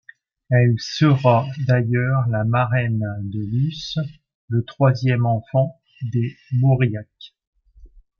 Elle sera d’ailleurs la marraine de Luce, le troisième enfant des Mauriac.